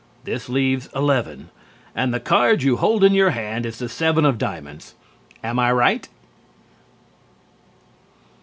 This leaves 11. And the card you hold in your hand is the seven of diamonds. Am I right?